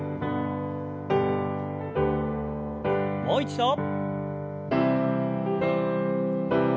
もう一度。